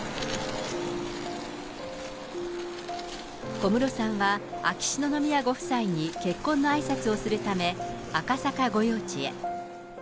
小室さんは秋篠宮ご夫妻に結婚のあいさつをするため、赤坂御用地へ。